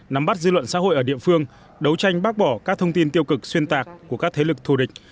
nắm bắt dư luận xã hội ở địa phương đấu tranh bác bỏ các thông tin tiêu cực xuyên tạc của các thế lực thù địch